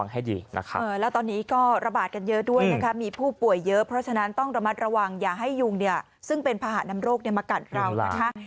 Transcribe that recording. อืมแล้วตอนนี้ก็ระบาดกันเยอะเพราะฉะนั้นต้องระมัดระวังอย่าให้ยุ่งใดนะครับ